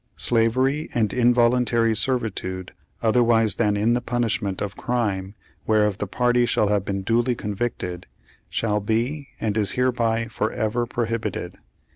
Slavery and involuntary servitude, otherwise than in the punishment of crime, whereof the party shall have been duly convicted, shall be and is hereby forever pro hibited."